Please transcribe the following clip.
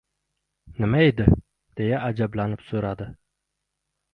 — Nima-edi? — deya ajablanib so‘radi.